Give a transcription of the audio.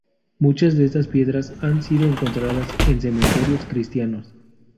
Muchas de estas piedras han sido encontradas en cementerios cristianos.